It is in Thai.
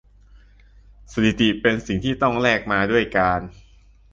สถิติเป็นสิ่งที่ต้องแลกมาด้วยการ